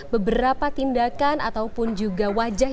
beberapa tindakan ataupun juga wajah